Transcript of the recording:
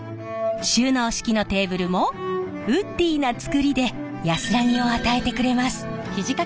収納式のテーブルもウッディーな作りで安らぎを与えてくれます。